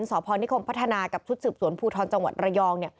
สพนิคมพัฒนากับชุดสืบสวนภูทรจังหวัดระยอง